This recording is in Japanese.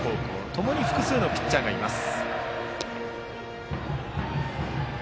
ともに複数のピッチャーがいます。